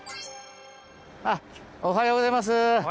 おはようございます。